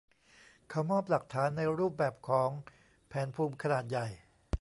เขามอบหลักฐานในรูปแบบของแผนภูมิขนาดใหญ่